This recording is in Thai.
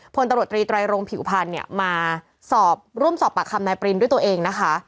พลตำรวจตรีไตรโรงผิวพันธ์เนี่ยมาสอบร่วมสอบปากคำนายปรินด้วยตัวเองนะคะ